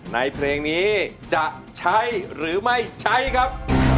ในเพลงนี้จะใช้หรือไม่ใช้ครับ